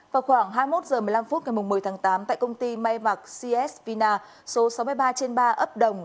vào khoảng hai mươi một h một mươi năm ngày một mươi tháng tám tại công ty may mạc cs vina số sáu mươi ba trên ba ấp đồng